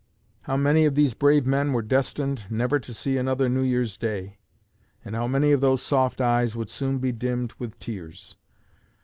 How many of these brave men were destined never to see another New Year's day; and how many of those soft eyes would soon be dimmed with tears!